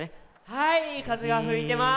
はいかぜがふいてます。